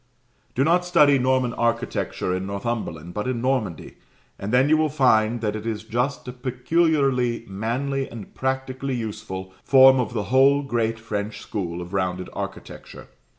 Do not study Norman architecture in Northumberland, but in Normandy, and then you will find that it is just a peculiarly manly, and practically useful, form of the whole great French school of rounded architecture.